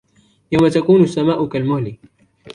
يَوْمَ تَكُونُ السَّمَاء كَالْمُهْلِ